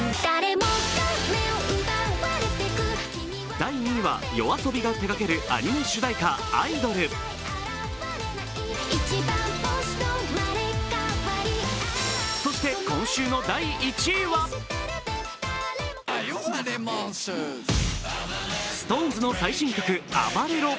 第２位はＹＯＡＳＯＢＩが手がけるアニメ主題歌「アイドル」そして今週の第１位はＳｉｘＴＯＮＥＳの最新曲「ＡＢＡＲＥＲＯ」。